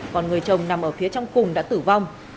còn người chồng nằm ở phía trong cùng đã tử vong